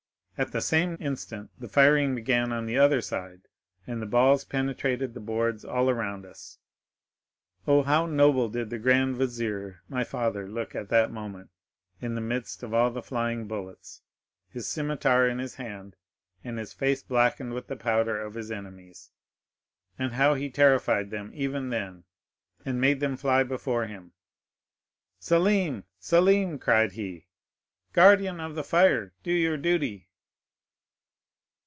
At the same instant the firing began on the other side, and the balls penetrated the boards all round us. Oh, how noble did the grand vizier my father look at that moment, in the midst of the flying bullets, his scimitar in his hand, and his face blackened with the powder of his enemies! and how he terrified them, even then, and made them fly before him! 'Selim, Selim!' cried he, 'guardian of the fire, do your duty!